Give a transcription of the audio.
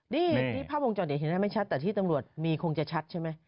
นี่ภาพวงจรเดี๋ยวเห็นได้ไม่ชัดแต่ที่ตำรวจมีคงจะชัดใช่ไหม